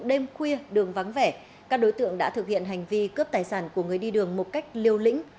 đêm khuya đường vắng vẻ các đối tượng đã thực hiện hành vi cướp tài sản của người đi đường một cách liêu lĩnh